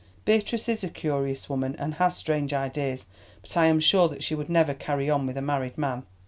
Beatrice is a curious woman, and has strange ideas, but I am sure that she would never carry on with a married man."